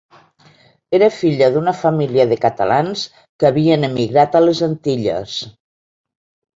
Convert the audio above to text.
Era filla d'una família de catalans que havien emigrat a les Antilles.